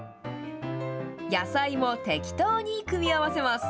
野菜も適当に組み合わせます。